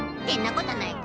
こたないか。